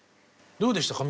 どうでしたか？